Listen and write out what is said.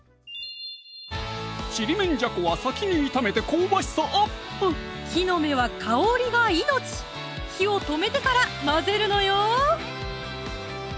ちりめんじゃこは先に炒めて香ばしさアップ木の芽は香りが命火を止めてから混ぜるのよ